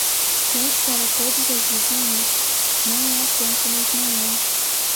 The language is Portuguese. Quem espera todos os vizinhos, não é a tempo nas manhãs.